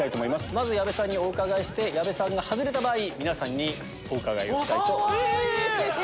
まず矢部さんにお伺いして矢部さんが外れた場合皆さんにお伺いしたいと思います。